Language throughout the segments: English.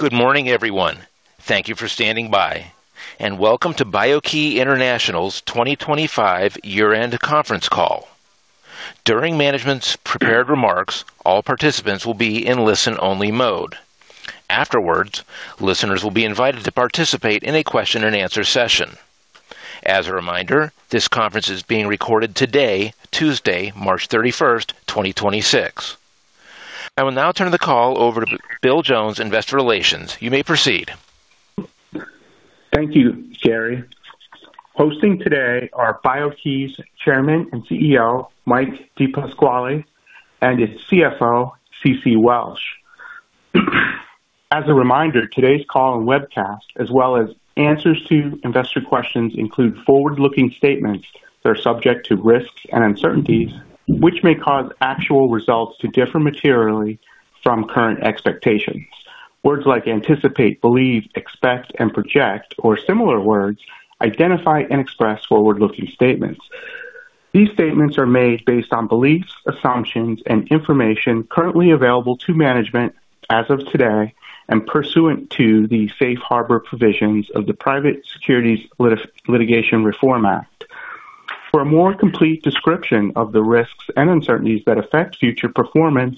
Good morning, everyone. Thank you for standing by, and welcome to BIO-key International's 2025 year-end conference call. During management's prepared remarks, all participants will be in listen-only mode. Afterwards, listeners will be invited to participate in a question-and-answer session. As a reminder, this conference is being recorded today, Tuesday, March 31st, 2026. I will now turn the call over to Bill Jones, Investor Relations. You may proceed. Thank you, Gary. Hosting today are BIO-key's Chairman and CEO, Mike DePasquale, and its CFO, Ceci Welch. As a reminder, today's call and webcast, as well as answers to investor questions, include forward-looking statements that are subject to risks and uncertainties, which may cause actual results to differ materially from current expectations. Words like anticipate, believe, expect and project or similar words identify and express forward-looking statements. These statements are made based on beliefs, assumptions and information currently available to management as of today and pursuant to the safe harbor provisions of the Private Securities Litigation Reform Act. For a more complete description of the risks and uncertainties that affect future performance,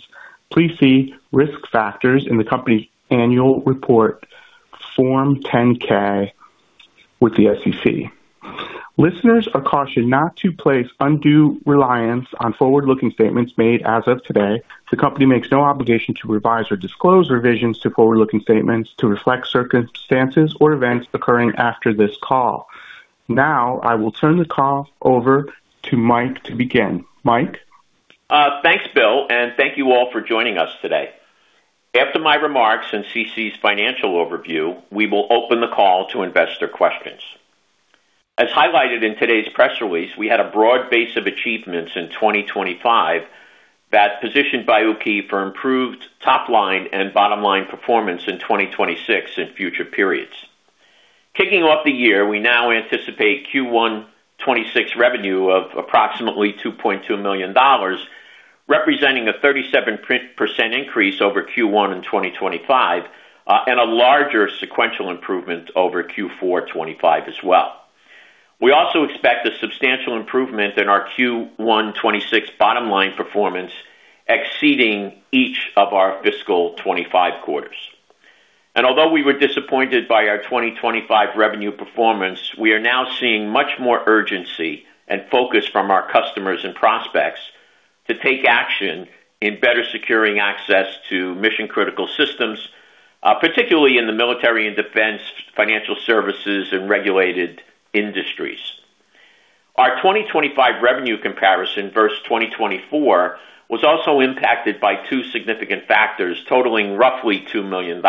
please see Risk Factors in the company's annual report Form 10-K with the SEC. Listeners are cautioned not to place undue reliance on forward-looking statements made as of today. The company makes no obligation to revise or disclose revisions to forward-looking statements to reflect circumstances or events occurring after this call. Now, I will turn the call over to Mike to begin. Mike. Thanks, Bill, and thank you all for joining us today. After my remarks and Ceci's financial overview, we will open the call to investor questions. As highlighted in today's press release, we had a broad base of achievements in 2025 that positioned BIO-key for improved top-line and bottom-line performance in 2026 and future periods. Kicking off the year, we now anticipate Q1 2026 revenue of approximately $2.2 million, representing a 37% increase over Q1 2025 and a larger sequential improvement over Q4 2025 as well. We also expect a substantial improvement in our Q1 2026 bottom-line performance exceeding each of our fiscal 2025 quarters. Although we were disappointed by our 2025 revenue performance, we are now seeing much more urgency and focus from our customers and prospects to take action in better securing access to mission-critical systems, particularly in the military and defense, financial services, and regulated industries. Our 2025 revenue comparison versus 2024 was also impacted by two significant factors totaling roughly $2 million.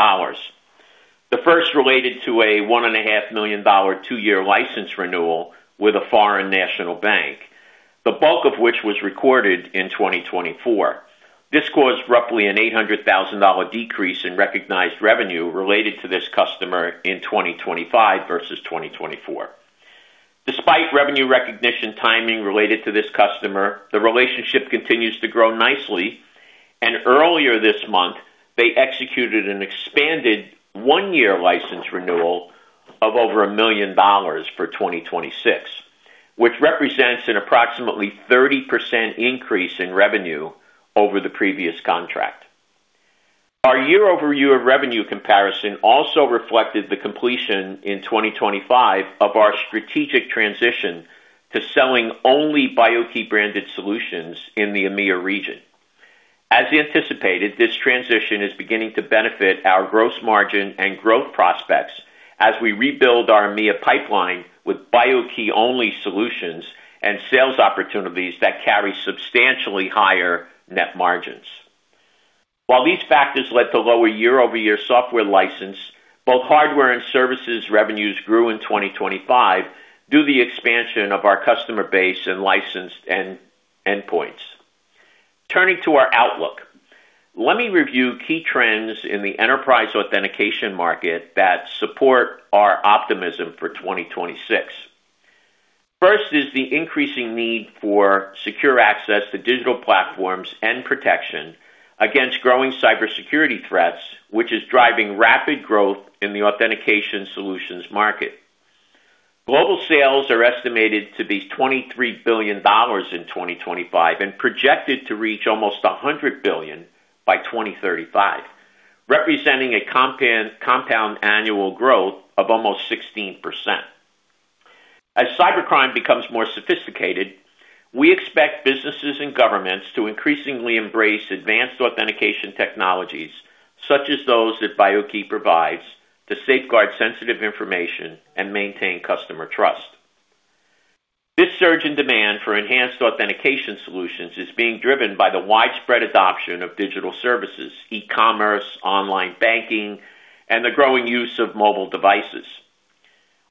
The first related to a $1.5 million two-year license renewal with a foreign national bank, the bulk of which was recorded in 2024. This caused roughly an $800,000 decrease in recognized revenue related to this customer in 2025 versus 2024. Despite revenue recognition timing related to this customer, the relationship continues to grow nicely. Earlier this month, they executed an expanded one-year license renewal of over $1 million for 2026, which represents an approximately 30% increase in revenue over the previous contract. Our year-over-year revenue comparison also reflected the completion in 2025 of our strategic transition to selling only BIO-key branded solutions in the EMEA region. As anticipated, this transition is beginning to benefit our gross margin and growth prospects as we rebuild our EMEA pipeline with BIO-key-only solutions and sales opportunities that carry substantially higher net margins. While these factors led to lower year-over-year software license, both hardware and services revenues grew in 2025 due to the expansion of our customer base and licensed endpoints. Turning to our outlook. Let me review key trends in the enterprise authentication market that support our optimism for 2026. First is the increasing need for secure access to digital platforms and protection against growing cybersecurity threats, which is driving rapid growth in the authentication solutions market. Global sales are estimated to be $23 billion in 2025 and projected to reach almost $100 billion by 2035, representing a compound annual growth of almost 16%. As cybercrime becomes more sophisticated, we expect businesses and governments to increasingly embrace advanced authentication technologies, such as those that BIO-key provides, to safeguard sensitive information and maintain customer trust. This surge in demand for enhanced authentication solutions is being driven by the widespread adoption of digital services, e-commerce, online banking, and the growing use of mobile devices.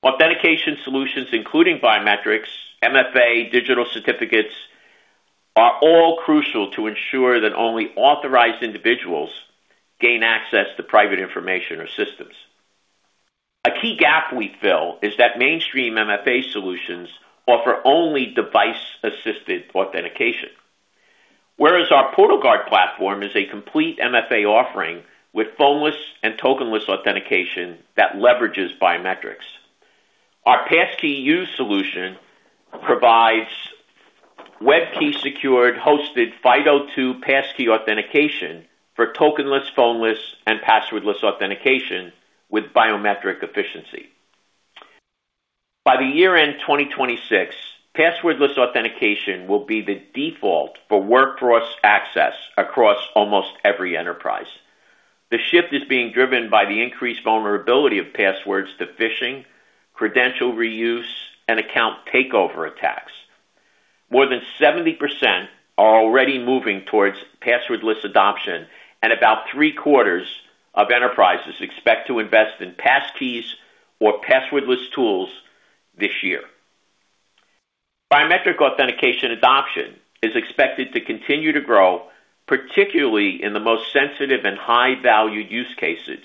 Authentication solutions, including biometrics, MFA, digital certificates, are all crucial to ensure that only authorized individuals gain access to private information or systems. A key gap we fill is that mainstream MFA solutions offer only device-assisted authentication. Whereas our PortalGuard platform is a complete MFA offering with phoneless and tokenless authentication that leverages biometrics. Our Passkey:YOU solution provides web key secured, hosted FIDO2 passkey authentication for tokenless, phoneless, and passwordless authentication with biometric efficiency. By year-end 2026, passwordless authentication will be the default for workforce access across almost every enterprise. The shift is being driven by the increased vulnerability of passwords to phishing, credential reuse, and account takeover attacks. More than 70% are already moving towards passwordless adoption, and about 3/4 of enterprises expect to invest in passkeys or passwordless tools this year. Biometric authentication adoption is expected to continue to grow, particularly in the most sensitive and high-value use cases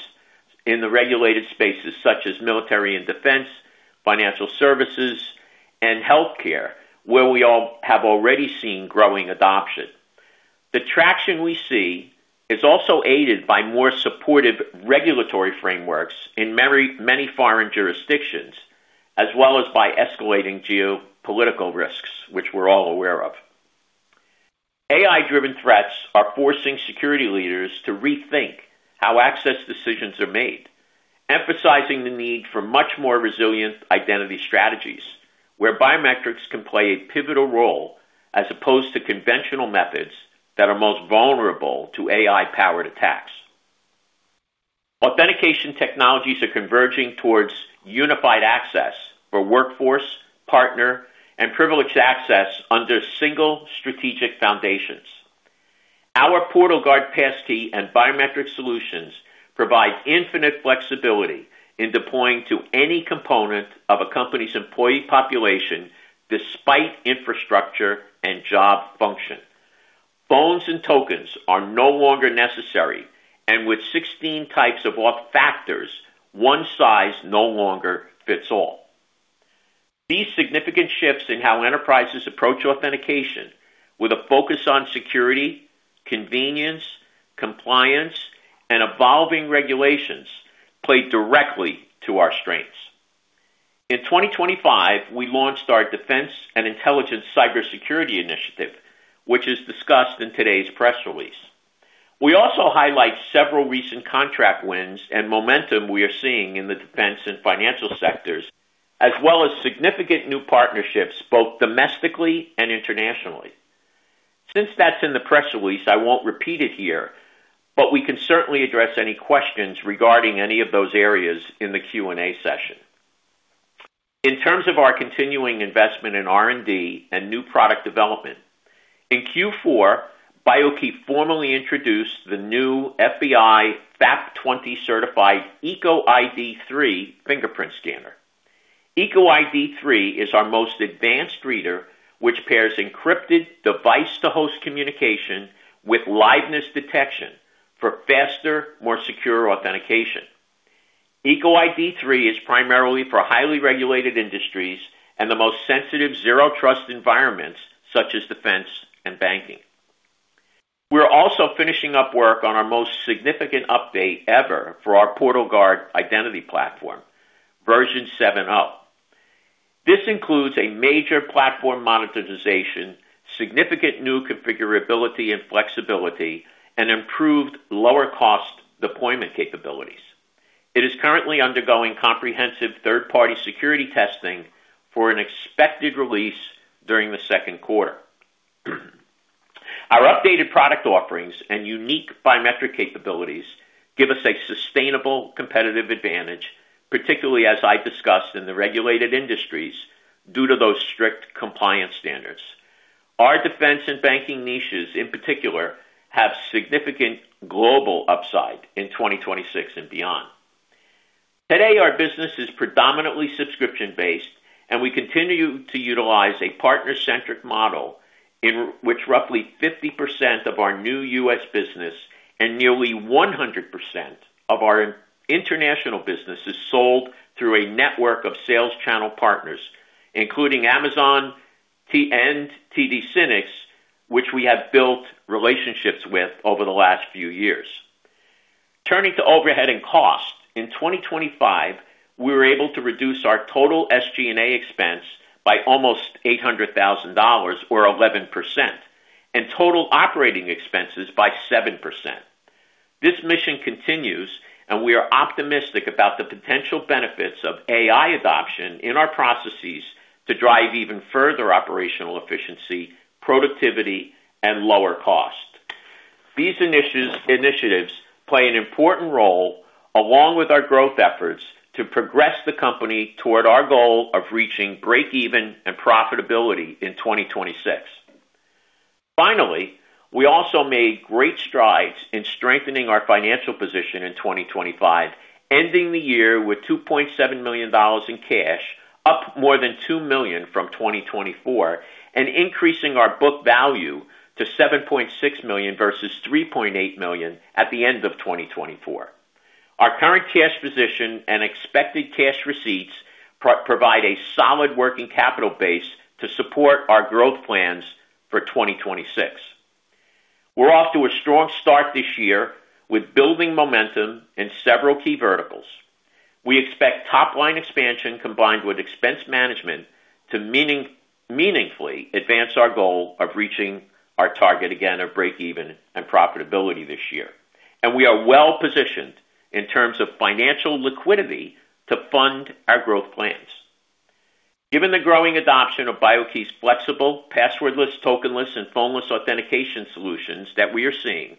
in the regulated spaces such as military and defense, financial services, and healthcare, where we all have already seen growing adoption. The traction we see is also aided by more supportive regulatory frameworks in many, many foreign jurisdictions as well as by escalating geopolitical risks, which we're all aware of. AI-driven threats are forcing security leaders to rethink how access decisions are made, emphasizing the need for much more resilient identity strategies where biometrics can play a pivotal role as opposed to conventional methods that are most vulnerable to AI-powered attacks. Authentication technologies are converging towards unified access for workforce, partner, and privileged access under single strategic foundations. Our PortalGuard Passkey and biometric solutions provide infinite flexibility in deploying to any component of a company's employee population despite infrastructure and job function. Phones and tokens are no longer necessary, and with 16 types of auth factors, one size no longer fits all. These significant shifts in how enterprises approach authentication with a focus on security, convenience, compliance, and evolving regulations play directly to our strengths. In 2025, we launched our Defense and Intelligence Cybersecurity Initiative, which is discussed in today's press release. We also highlight several recent contract wins and momentum we are seeing in the defense and financial sectors, as well as significant new partnerships both domestically and internationally. Since that's in the press release, I won't repeat it here, but we can certainly address any questions regarding any of those areas in the Q&A session. In terms of our continuing investment in R&D and new product development, in Q4, BIO-key formally introduced the new FBI FAP 20 certified EcoID III fingerprint scanner. EcoID III is our most advanced reader, which pairs encrypted device-to-host communication with liveness detection for faster, more secure authentication. EcoID III is primarily for highly regulated industries and the most sensitive Zero Trust environments such as defense and banking. We're also finishing up work on our most significant update ever for our PortalGuard identity platform, version 7.0. This includes a major platform monetization, significant new configurability and flexibility, and improved lower-cost deployment capabilities. It is currently undergoing comprehensive third-party security testing for an expected release during the second quarter. Our updated product offerings and unique biometric capabilities give us a sustainable competitive advantage, particularly as I discussed in the regulated industries, due to those strict compliance standards. Our defense and banking niches, in particular, have significant global upside in 2026 and beyond. Today, our business is predominantly subscription-based, and we continue to utilize a partner-centric model in which roughly 50% of our new U.S. business and nearly 100% of our international business is sold through a network of sales channel partners, including Amazon and TD SYNNEX, which we have built relationships with over the last few years. Turning to overhead and cost, in 2025, we were able to reduce our total SG&A expense by almost $800,000 or 11% and total operating expenses by 7%. This mission continues, and we are optimistic about the potential benefits of AI adoption in our processes to drive even further operational efficiency, productivity, and lower cost. These initiatives play an important role, along with our growth efforts, to progress the company toward our goal of reaching breakeven and profitability in 2026. Finally, we also made great strides in strengthening our financial position in 2025, ending the year with $2.7 million in cash. Up more than $2 million from 2024 and increasing our book value to $7.6 million versus $3.8 million at the end of 2024. Our current cash position and expected cash receipts provide a solid working capital base to support our growth plans for 2026. We're off to a strong start this year with building momentum in several key verticals. We expect top-line expansion combined with expense management to meaningfully advance our goal of reaching our target again of breakeven and profitability this year. We are well-positioned in terms of financial liquidity to fund our growth plans. Given the growing adoption of BIO-key's flexible passwordless, tokenless, and phoneless authentication solutions that we are seeing,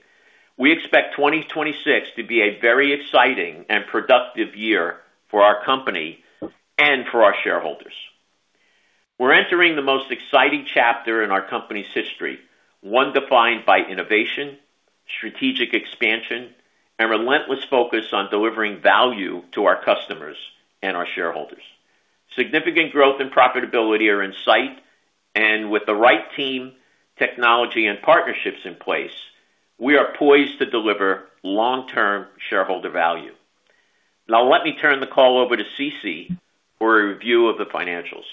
we expect 2026 to be a very exciting and productive year for our company and for our shareholders. We're entering the most exciting chapter in our company's history, one defined by innovation, strategic expansion, and relentless focus on delivering value to our customers and our shareholders. Significant growth and profitability are in sight, and with the right team, technology, and partnerships in place, we are poised to deliver long-term shareholder value. Now let me turn the call over to Cece for a review of the financials.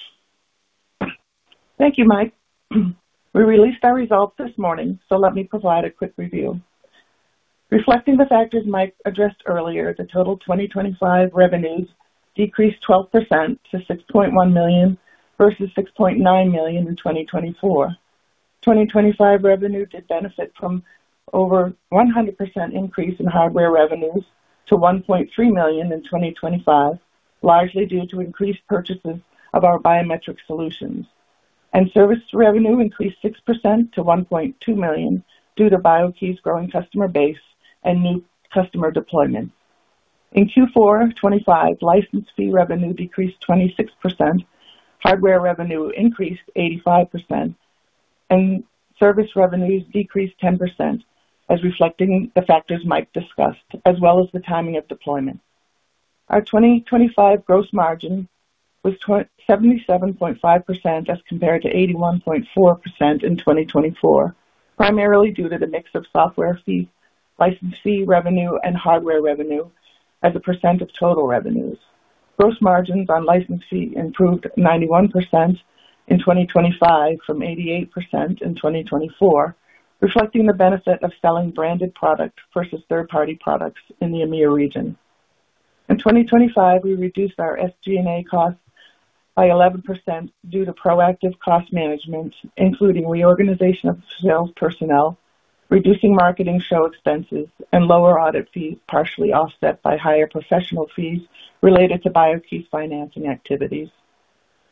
Thank you, Mike. We released our results this morning, so let me provide a quick review. Reflecting the factors Mike addressed earlier, the total 2025 revenues decreased 12% to $6.1 million versus $6.9 million in 2024. 2025 revenue did benefit from over 100% increase in hardware revenues to $1.3 million in 2025, largely due to increased purchases of our biometric solutions. Service revenue increased 6% to $1.2 million due to BIO-key's growing customer base and new customer deployments. In Q4 2025, license fee revenue decreased 26%, hardware revenue increased 85%, and service revenues decreased 10%, as reflecting the factors Mike discussed, as well as the timing of deployment. Our 2025 gross margin was 77.5% as compared to 81.4% in 2024, primarily due to the mix of software fees, license fee revenue, and hardware revenue as a percent of total revenues. Gross margins on license fee improved 91% in 2025 from 88% in 2024, reflecting the benefit of selling branded products versus third-party products in the EMEA region. In 2025, we reduced our SG&A costs by 11% due to proactive cost management, including reorganization of sales personnel, reducing marketing show expenses, and lower audit fees, partially offset by higher professional fees related to BIO-key's financing activities.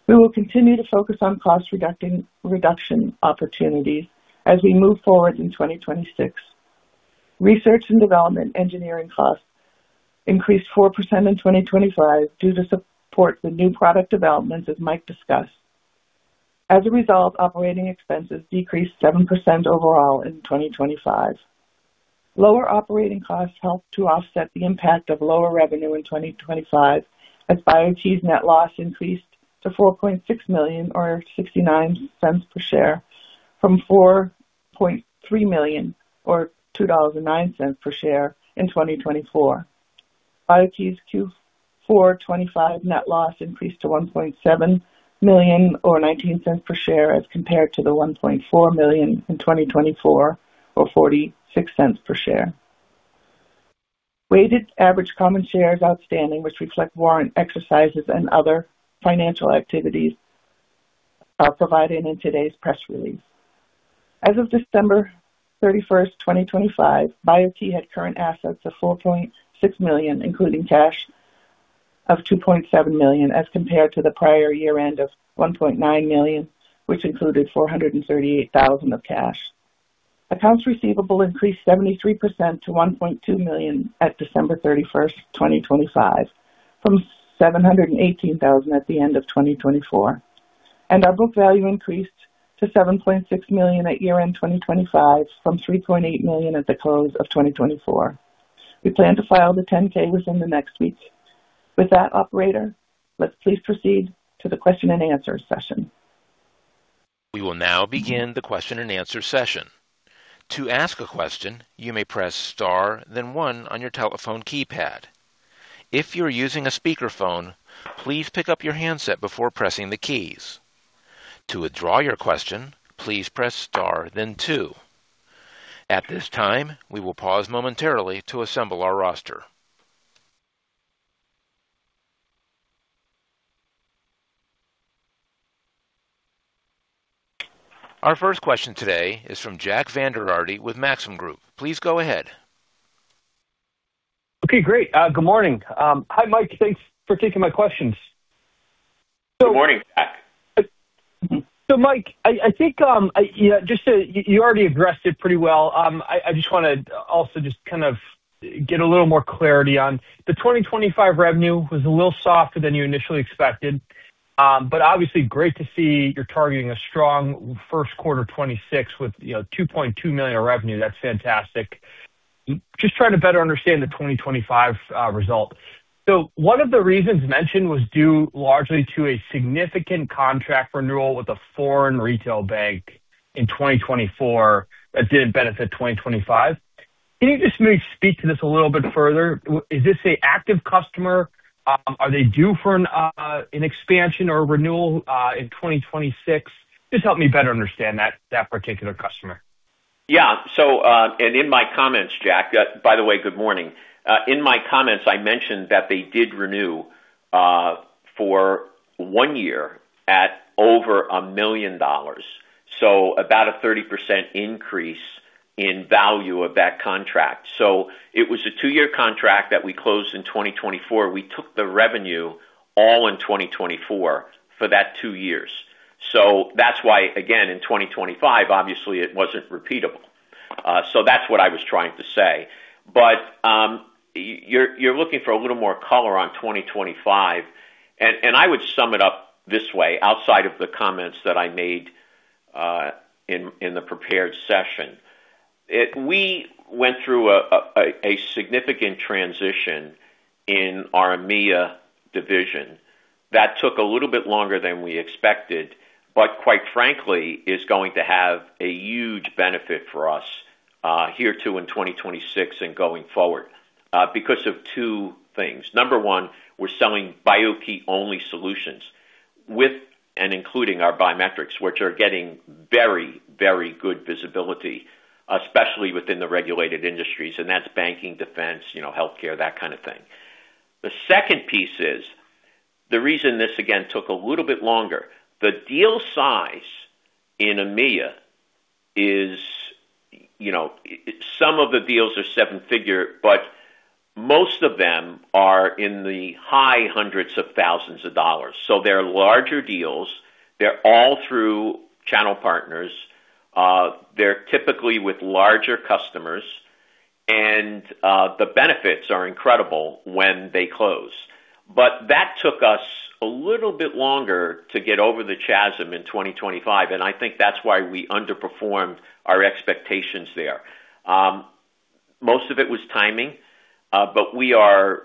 We will continue to focus on cost reduction opportunities as we move forward in 2026. Research and development engineering costs increased 4% in 2025 due to supporting the new product developments, as Mike discussed. As a result, operating expenses decreased 7% overall in 2025. Lower operating costs helped to offset the impact of lower revenue in 2025, as BIO-key's net loss increased to $4.6 million or $0.69 per share from $4.3 million or $2.09 per share in 2024. BIO-key's Q4 2025 net loss increased to $1.7 million or $0.19 per share as compared to the $1.4 million in 2024 or $0.46 per share. Weighted average common shares outstanding, which reflect warrant exercises and other financial activities, are provided in today's press release. As of December 31, 2025, BIO-key had current assets of $4.6 million, including cash of $2.7 million, as compared to the prior year-end of $1.9 million, which included $438,000 of cash. Accounts receivable increased 73% to $1.2 million at December 31, 2025, from $718,000 at the end of 2024. Our book value increased to $7.6 million at year-end 2025 from $3.8 million at the close of 2024. We plan to file the 10-K within the next week. With that, operator, let's please proceed to the question and answer session. We will now begin the question and answer session. To ask a question, you may press star, then one on your telephone keypad. If you are using a speakerphone, please pick up your handset before pressing the keys. To withdraw your question, please press star then two. At this time, we will pause momentarily to assemble our roster. Our first question today is from Jack Vander Aarde with Maxim Group. Please go ahead. Okay, great. Good morning. Hi, Mike. Thanks for taking my questions. Good morning, Jack. Mike, you already addressed it pretty well. I just wanna also just kind of get a little more clarity on the 2025 revenue was a little softer than you initially expected, but obviously great to see you're targeting a strong first quarter 2026 with, you know, $2.2 million revenue. That's fantastic. Just trying to better understand the 2025 result. One of the reasons mentioned was due largely to a significant contract renewal with a foreign retail bank in 2024 that did benefit 2025. Can you just maybe speak to this a little bit further? Is this an active customer? Are they due for an expansion or renewal in 2026? Just help me better understand that particular customer. In my comments, Jack, by the way, good morning. In my comments, I mentioned that they did renew for one year at over $1 million, so about a 30% increase in value of that contract. It was a two-year contract that we closed in 2024. We took the revenue all in 2024 for that two years. That's why, again, in 2025, obviously it wasn't repeatable. That's what I was trying to say. You're looking for a little more color on 2025. I would sum it up this way, outside of the comments that I made in the prepared session. We went through a significant transition in our EMEA division that took a little bit longer than we expected, but quite frankly, is going to have a huge benefit for us here too in 2026 and going forward because of two things. Number one, we're selling BIO-key only solutions with and including our biometrics, which are getting very, very good visibility, especially within the regulated industries, and that's banking, defense, you know, healthcare, that kind of thing. The second piece is the reason this again took a little bit longer. The deal size in EMEA is, you know, some of the deals are seven-figure, but most of them are in the high hundreds of thousands of dollars. So they're larger deals. They're all through channel partners. They're typically with larger customers. The benefits are incredible when they close. That took us a little bit longer to get over the chasm in 2025, and I think that's why we underperformed our expectations there. Most of it was timing, but we are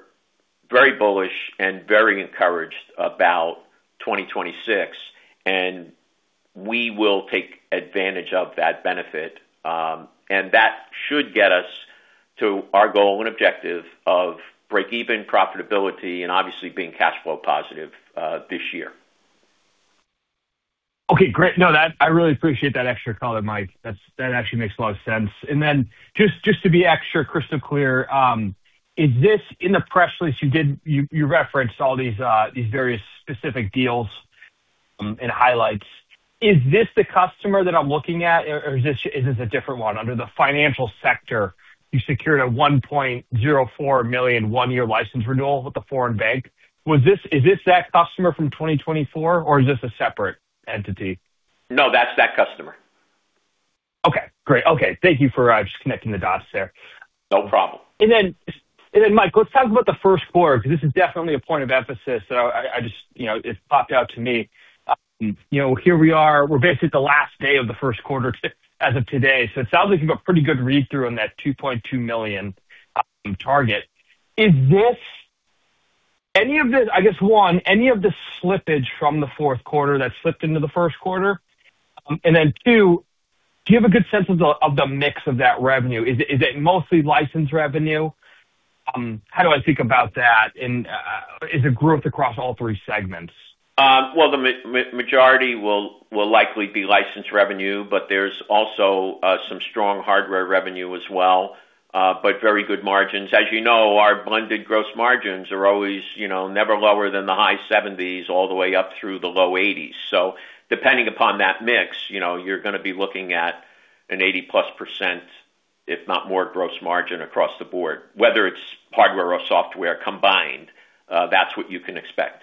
very bullish and very encouraged about 2026, and we will take advantage of that benefit. That should get us to our goal and objective of break-even profitability and obviously being cash flow positive, this year. Okay, great. No, that I really appreciate that extra color, Mike. That actually makes a lot of sense. Then just to be extra crystal clear, is this in the press release you did? You referenced all these various specific deals and highlights. Is this the customer that I'm looking at or is this a different one under the financial sector? You secured a $1.04 million one-year license renewal with a foreign bank. Is this that customer from 2024 or is this a separate entity? No, that's that customer. Okay, great. Okay. Thank you for just connecting the dots there. No problem. Mike, let's talk about the first quarter because this is definitely a point of emphasis. I just, you know, it popped out to me. You know, here we are, we're basically the last day of the first quarter as of today, so it sounds like you've a pretty good read-through on that $2.2 million target. Is this any of the, I guess, one, any of the slippage from the fourth quarter that slipped into the first quarter? Two, do you have a good sense of the mix of that revenue? Is it mostly license revenue? How do I think about that? Is it growth across all three segments? Well, the majority will likely be license revenue, but there's also some strong hardware revenue as well, but very good margins. As you know, our blended gross margins are always, you know, never lower than the high 70s all the way up through the low 80s. Depending upon that mix, you know, you're gonna be looking at an 80%+, if not more, gross margin across the board. Whether it's hardware or software combined, that's what you can expect.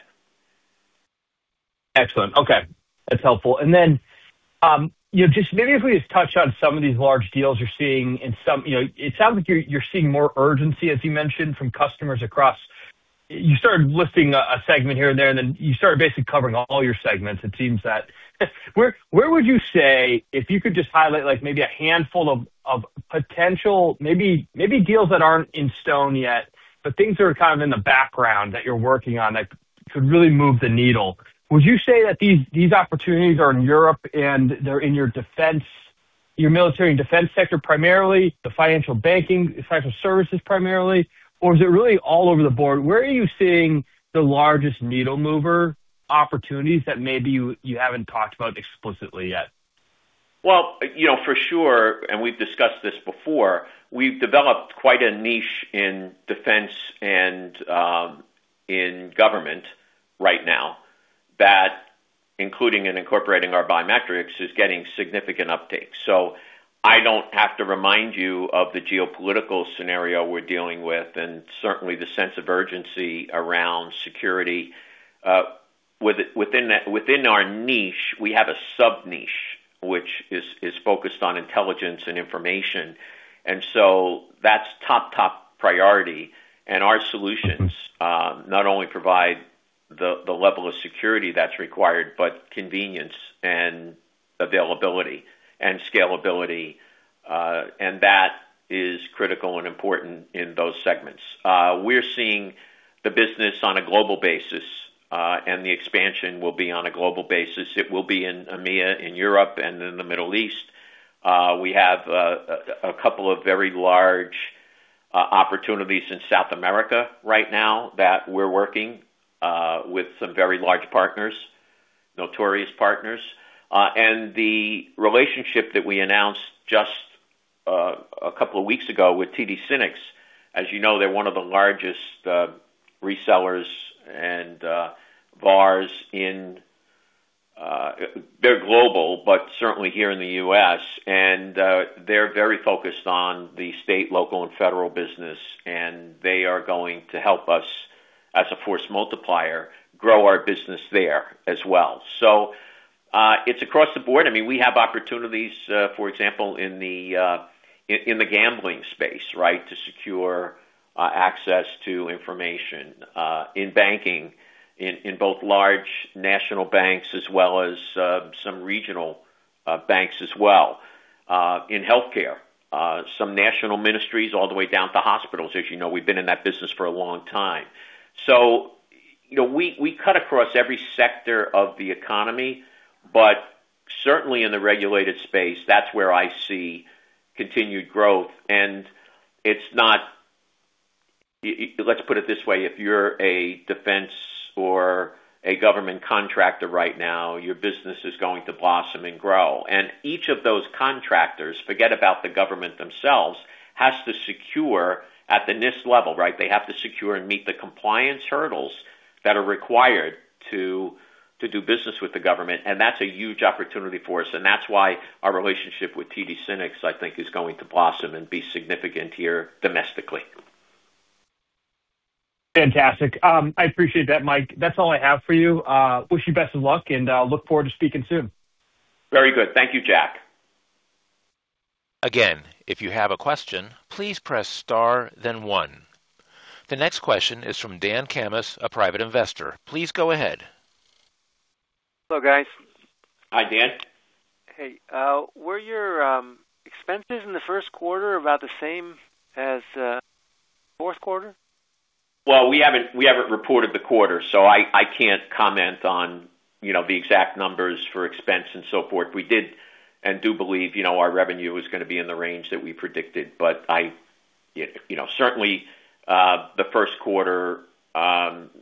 Excellent. Okay. That's helpful. You know, just maybe if we just touch on some of these large deals you're seeing in some. You know, it sounds like you're seeing more urgency, as you mentioned, from customers across. You started listing a segment here and there, and then you started basically covering all your segments it seems that. Where would you say, if you could just highlight like maybe a handful of potential maybe deals that aren't in stone yet, but things that are kind of in the background that you're working on that could really move the needle. Would you say that these opportunities are in Europe and they're in your defense, your military and defense sector, primarily the financial banking, financial services primarily, or is it really all over the board? Where are you seeing the largest needle mover opportunities that maybe you haven't talked about explicitly yet? Well, you know, for sure, and we've discussed this before, we've developed quite a niche in defense and in government right now that including and incorporating our biometrics is getting significant uptake. I don't have to remind you of the geopolitical scenario we're dealing with and certainly the sense of urgency around security. Within that, within our niche, we have a sub-niche which is focused on intelligence and information. That's top-priority. Our solutions not only provide the level of security that's required, but convenience and availability and scalability, and that is critical and important in those segments. We're seeing the business on a global basis, and the expansion will be on a global basis. It will be in EMEA, in Europe, and in the Middle East. We have a couple of very large opportunities in South America right now that we're working with some very large partners, notable partners, and the relationship that we announced just a couple of weeks ago with TD SYNNEX. As you know, they're one of the largest resellers and VARs. They're global, but certainly here in the U.S., and they're very focused on the state, local, and federal business, and they are going to help us, as a force multiplier, grow our business there as well. It's across the board. I mean, we have opportunities, for example, in the gambling space, right? To secure access to information in banking, in both large national banks as well as some regional banks as well. In healthcare, some national ministries all the way down to hospitals. As you know, we've been in that business for a long time. You know, we cut across every sector of the economy, but certainly in the regulated space, that's where I see continued growth. Let's put it this way, if you're a defense or a government contractor right now, your business is going to blossom and grow. Each of those contractors, forget about the government themselves, has to secure at the NIST level, right? They have to secure and meet the compliance hurdles that are required to do business with the government, and that's a huge opportunity for us. That's why our relationship with TD SYNNEX, I think, is going to blossom and be significant here domestically. Fantastic. I appreciate that, Mike. That's all I have for you. I wish you the best of luck, and I'll look forward to speaking soon. Very good. Thank you, Jack. Again, if you have a question, please press star then one. The next question is from Dan Camus, a private investor. Please go ahead. Hello, guys. Hi, Dan. Hey. Were your expenses in the first quarter about the same as the fourth quarter? Well, we haven't reported the quarter, so I can't comment on you know the exact numbers for expense and so forth. We did and do believe, you know, our revenue is gonna be in the range that we predicted. I, you know, certainly, the first quarter,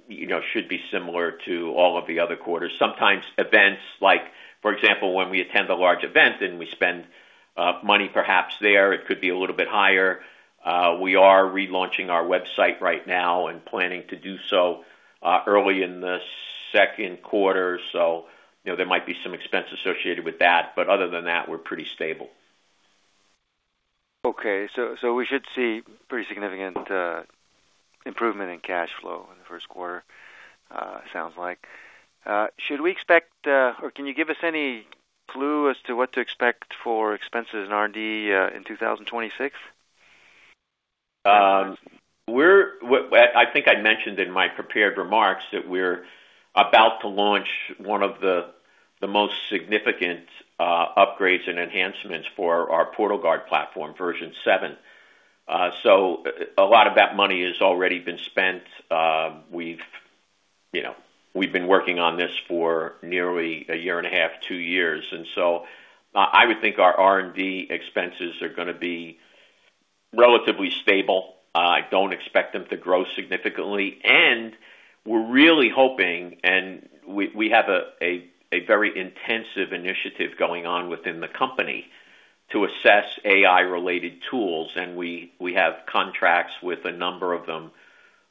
you know, should be similar to all of the other quarters. Sometimes events like, for example, when we attend a large event and we spend money perhaps there, it could be a little bit higher. We are relaunching our website right now and planning to do so early in the second quarter. You know, there might be some expense associated with that, but other than that, we're pretty stable. Okay. We should see pretty significant improvement in cash flow in the first quarter, sounds like. Should we expect, or can you give us any clue as to what to expect for expenses in R&D in 2026? I think I mentioned in my prepared remarks that we're about to launch one of the most significant upgrades and enhancements for our PortalGuard platform, version 7. So a lot of that money has already been spent. You know, we've been working on this for nearly a year and a half, two years. I would think our R&D expenses are gonna be relatively stable. I don't expect them to grow significantly. We're really hoping, and we have a very intensive initiative going on within the company to assess AI-related tools, and we have contracts with a number of them.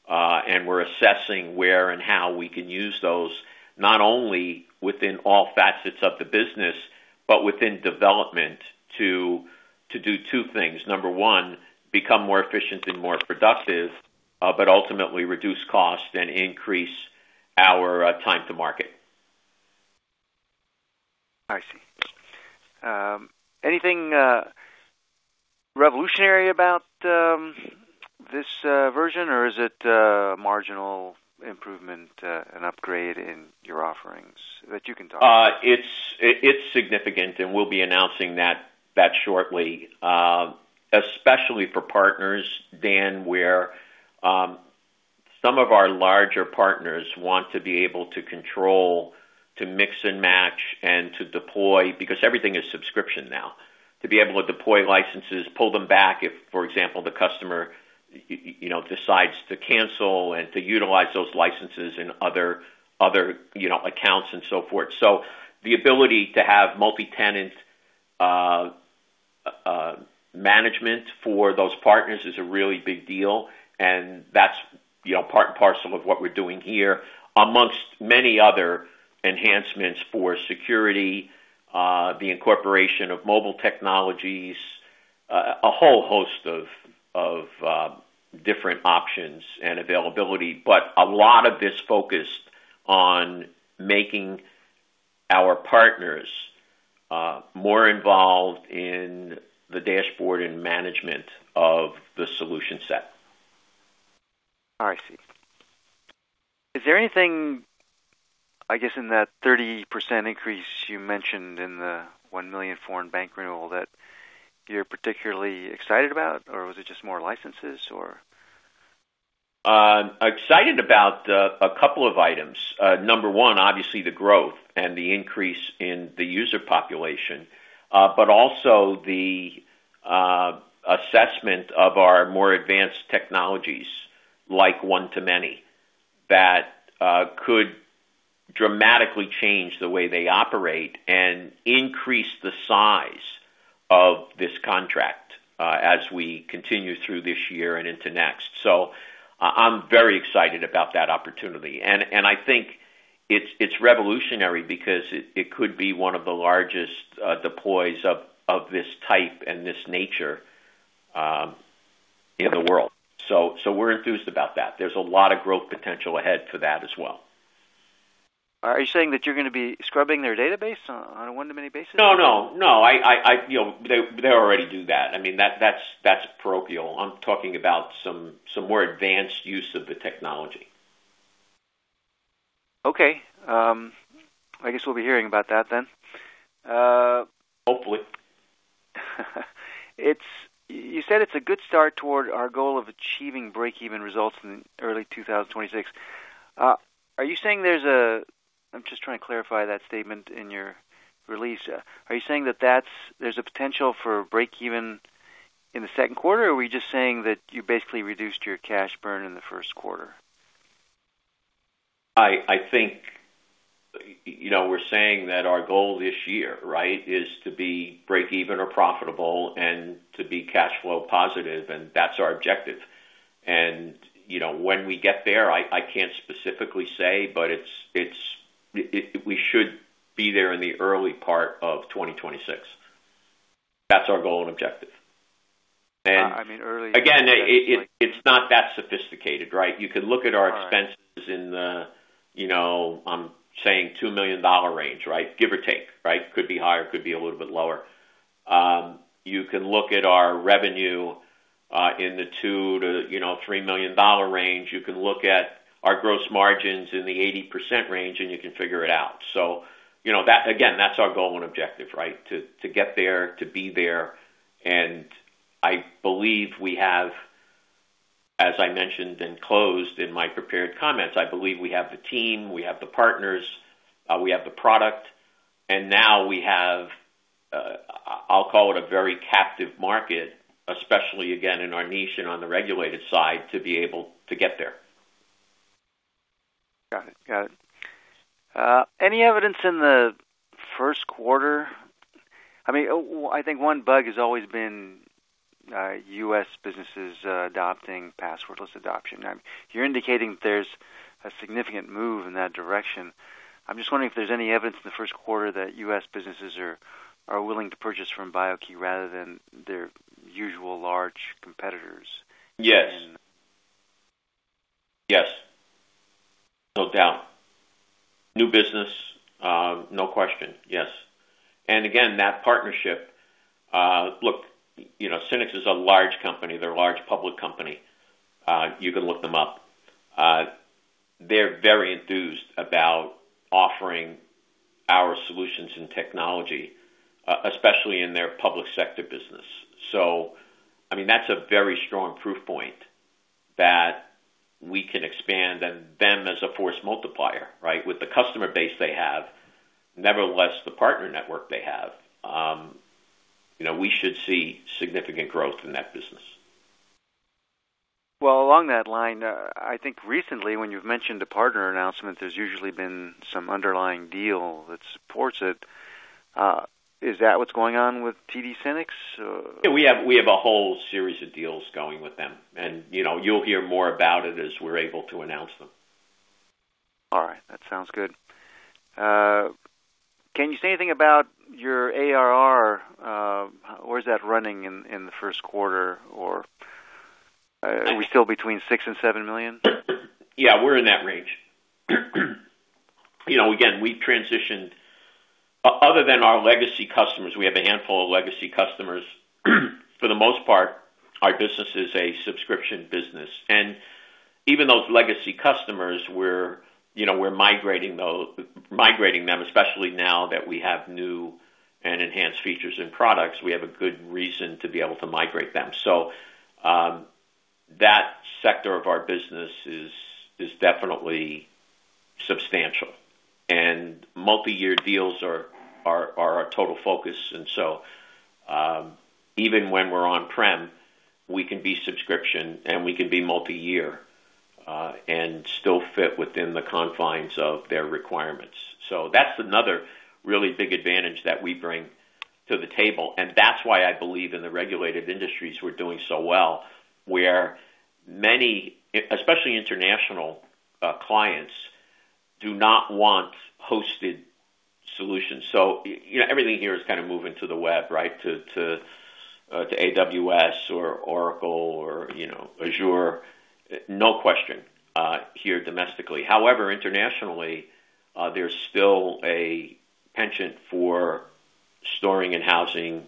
We're assessing where and how we can use those, not only within all facets of the business, but within development to do two things. Number one, become more efficient and more productive, but ultimately reduce costs and increase our time to market. I see. Anything revolutionary about this version, or is it a marginal improvement, an upgrade in your offerings that you can talk about? It's significant, and we'll be announcing that shortly. Especially for partners, Dan, where some of our larger partners want to be able to control, to mix and match, and to deploy because everything is subscription now. To be able to deploy licenses, pull them back if, for example, the customer, you know, decides to cancel and to utilize those licenses in other, you know, accounts and so forth. The ability to have multi-tenant management for those partners is a really big deal, and that's, you know, part and parcel of what we're doing here. Amongst many other enhancements for security, the incorporation of mobile technologies, a whole host of different options and availability. A lot of this focused on making our partners more involved in the dashboard and management of the solution set. I see. Is there anything, I guess, in that 30% increase you mentioned in the $1 million foreign bank renewal that you're particularly excited about? Or was it just more licenses or? I'm excited about a couple of items. Number one, obviously the growth and the increase in the user population, but also the assessment of our more advanced technologies, like one-to-many that could dramatically change the way they operate and increase the size of this contract, as we continue through this year and into next. I'm very excited about that opportunity. I think it's revolutionary because it could be one of the largest deploys of this type and this nature in the world. We're enthused about that. There's a lot of growth potential ahead for that as well. Are you saying that you're gonna be scrubbing their database on a one-to-many basis? No. You know, they already do that. I mean, that's parochial. I'm talking about some more advanced use of the technology. Okay. I guess we'll be hearing about that then. Hopefully. You said it's a good start toward our goal of achieving break-even results in early 2026. Are you saying there's a potential for break-even in the second quarter, or are we just saying that you basically reduced your cash burn in the first quarter? I think, you know, we're saying that our goal this year, right, is to be break-even or profitable and to be cash flow positive, and that's our objective. You know, when we get there, I can't specifically say, but we should be there in the early part of 2026. That's our goal and objective. I mean early- It's not that sophisticated, right? You can look at our. All right. Expenses in the, you know, I'm saying $2 million range, right? Give or take, right? Could be higher, could be a little bit lower. You can look at our revenue in the $2 million-$3 million range. You can look at our gross margins in the 80% range, and you can figure it out. You know, that, again, that's our goal and objective, right? To get there, to be there. I believe we have, as I mentioned and closed in my prepared comments, I believe we have the team, we have the partners, we have the product, and now we have, I'll call it a very captive market, especially again in our niche and on the regulated side, to be able to get there. Got it. Any evidence in the first quarter? I mean, I think one bug has always been U.S. businesses adopting passwordless adoption. You're indicating there's a significant move in that direction. I'm just wondering if there's any evidence in the first quarter that U.S. businesses are willing to purchase from BIO-key rather than their usual large competitors. Yes. And- Yes. No doubt. New business, no question. Yes. Again, that partnership. Look, you know, SYNNEX is a large company. They're a large public company. You can look them up. They're very enthused about offering our solutions and technology, especially in their public sector business. So, I mean, that's a very strong proof point that we can expand and them as a force multiplier, right? With the customer base they have, nevertheless, the partner network they have, you know, we should see significant growth in that business. Well, along that line, I think recently when you've mentioned a partner announcement, there's usually been some underlying deal that supports it. Is that what's going on with TD SYNNEX? Yeah. We have a whole series of deals going with them, and, you know, you'll hear more about it as we're able to announce them. All right. That sounds good. Can you say anything about your ARR? Where is that running in the first quarter, or are we still between $6 million and $7 million? Yeah, we're in that range. You know, again, other than our legacy customers, we have a handful of legacy customers. For the most part, our business is a subscription business. Even those legacy customers we're, you know, migrating them, especially now that we have new and enhanced features and products. We have a good reason to be able to migrate them. That sector of our business is definitely substantial. Multi-year deals are our total focus. Even when we're on-prem, we can be subscription, and we can be multi-year, and still fit within the confines of their requirements. That's another really big advantage that we bring to the table, and that's why I believe in the regulated industries we're doing so well, where many, especially international, clients do not want hosted solutions. You know, everything here is kinda moving to the web, right? To AWS or Oracle or, you know, Azure, no question, here domestically. However, internationally, there's still a penchant for storing and housing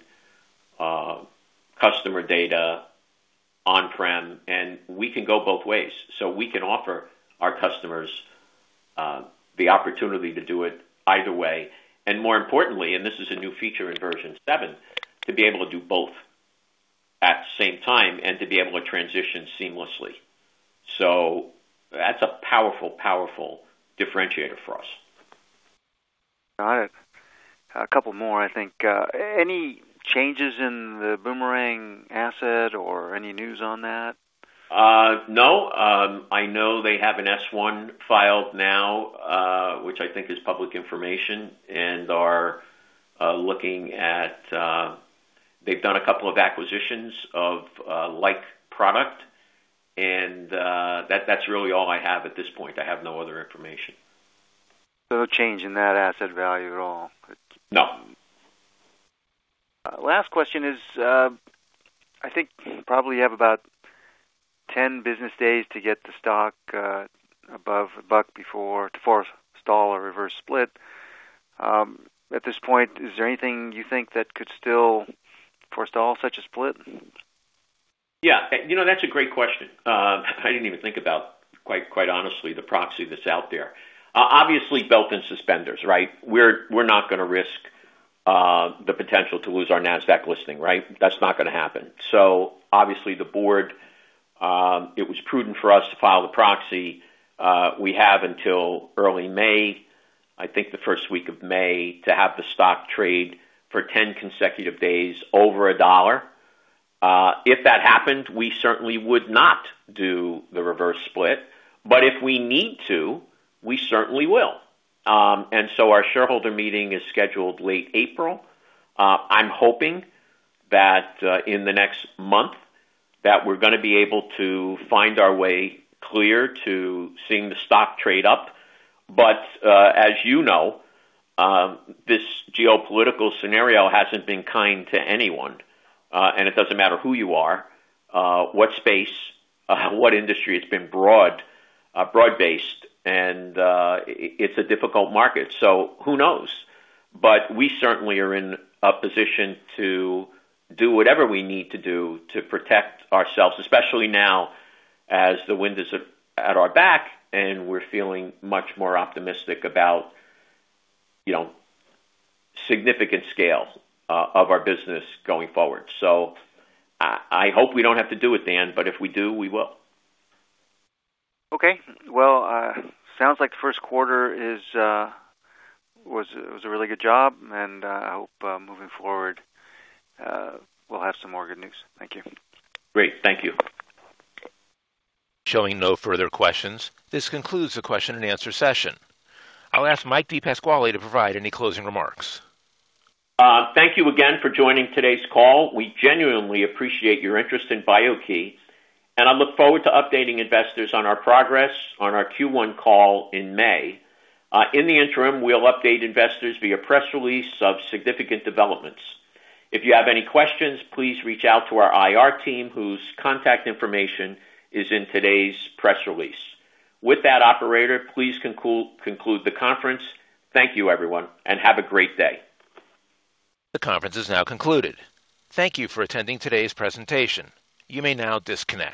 customer data on-prem, and we can go both ways. We can offer our customers the opportunity to do it either way. More importantly, and this is a new feature in version 7, to be able to do both at the same time and to be able to transition seamlessly. That's a powerful differentiator for us. Got it. A couple more, I think. Any changes in the Boomerang asset or any news on that? No. I know they have an S-1 filed now, which I think is public information and are looking at. They've done a couple of acquisitions of, like product, and, that's really all I have at this point. I have no other information. No change in that asset value at all. No. Last question is, I think probably you have about 10 business days to get the stock above one buck to forestall a reverse split. At this point, is there anything you think that could still forestall such a split? Yeah. You know, that's a great question. I didn't even think about quite honestly, the proxy that's out there. Obviously belt and suspenders, right? We're not gonna risk the potential to lose our Nasdaq listing, right? That's not gonna happen. Obviously, the board, it was prudent for us to file the proxy. We have until early May, I think the first week of May, to have the stock trade for 10 consecutive days over a dollar. If that happened, we certainly would not do the reverse split. If we need to, we certainly will. Our shareholder meeting is scheduled late April. I'm hoping that in the next month that we're gonna be able to find our way clear to seeing the stock trade up. As you know, this geopolitical scenario hasn't been kind to anyone. It doesn't matter who you are, what space, what industry, it's been broad-based and it's a difficult market. Who knows? We certainly are in a position to do whatever we need to do to protect ourselves, especially now as the wind is at our back and we're feeling much more optimistic about, you know, significant scale of our business going forward. I hope we don't have to do it, Dan, but if we do, we will. Okay. Well, sounds like the first quarter was a really good job and I hope moving forward we'll have some more good news. Thank you. Great. Thank you. Showing no further questions, this concludes the question and answer session. I'll ask Mike DePasquale to provide any closing remarks. Thank you again for joining today's call. We genuinely appreciate your interest in BIO-key, and I look forward to updating investors on our progress on our Q1 call in May. In the interim, we'll update investors via press release of significant developments. If you have any questions, please reach out to our IR team, whose contact information is in today's press release. With that, operator, please conclude the conference. Thank you, everyone, and have a great day. The conference is now concluded. Thank you for attending today's presentation. You may now disconnect.